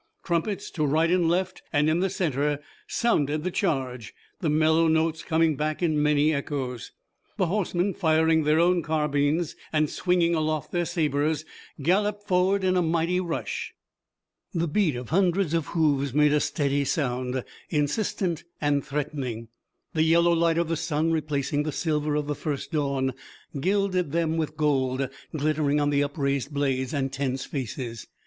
Trumpets to right and left and in the center sounded the charge, the mellow notes coming back in many echoes. The horsemen firing their own carbines and swinging aloft their sabers, galloped forward in a mighty rush. The beat of hundreds of hoofs made a steady sound, insistent and threatening. The yellow light of the sun, replacing the silver of the first dawn, gilded them with gold, glittering on the upraised blades and tense faces.